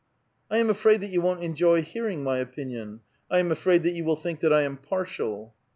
'' I am afraid that you won't enjoy hearing my opinion ; I am afraid that you will think that I am partial."